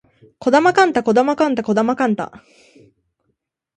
児玉幹太児玉幹太児玉幹太